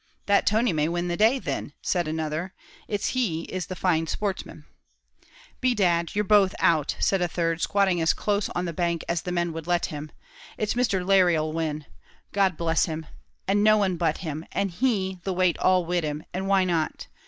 "That Tony may win the day thin!" said another. "It's he is the fine sportsman." "Bedad, ye're both out," said a third, squatting as close on the bank as the men would let him; "it's Mr. Larry 'll win, God bless him! and none but him and he the weight all wid him, and why not?